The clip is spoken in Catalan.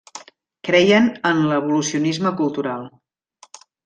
Creien en l'evolucionisme cultural.